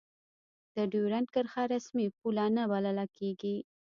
د دیورند کرښه رسمي پوله نه بلله کېږي.